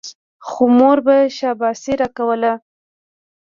خو مور به شاباسي راکوله.